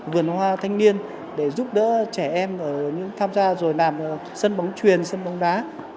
vườn hoa thanh niên để giúp đỡ trẻ em tham gia rồi làm sân bóng truyền sân bóng đá